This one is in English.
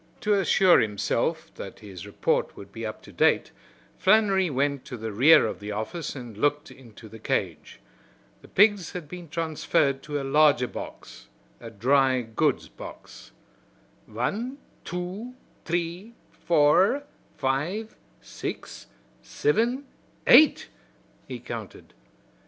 To assure himself that his report would be up to date, Flannery went to the rear of the office and looked into the cage. The pigs had been transferred to a larger box a dry goods box. "Wan, two, t'ree, four, five, six, sivin, eight!" he counted.